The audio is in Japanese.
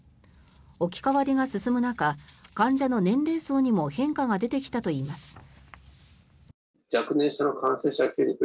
置き換わりが進む中患者の年齢層にも変化が出てきたといいます。